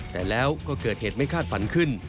แต่แล้วก็เกิดเหตุไม่คาดฝันขึ้น